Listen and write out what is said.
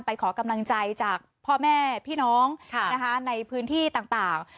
ขอกำลังใจจากพ่อแม่พี่น้องในพื้นที่ต่าง